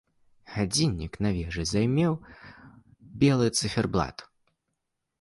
Гадзіннік на вежы займеў белы цыферблат.